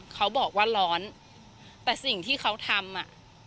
เขาบอกว่าร้อนแต่สิ่งที่เขาทำอ่ะ